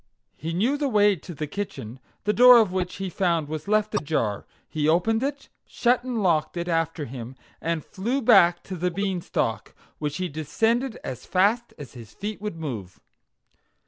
he knew the way to the kitchen, the door of which he found was left ajar; he opened it, shut and locked it after him, and flew back to the Beanstalk, which he descended as fast as his feet would move.